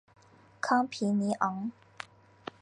康皮尼昂。